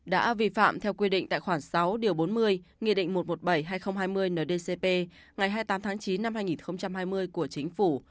đã vi phạm theo quy định tại khoảng sáu điều bốn mươi nghị định một trăm một mươi bảy hai nghìn hai mươi ndcp ngày hai mươi tám tháng chín năm hai nghìn hai mươi của chính phủ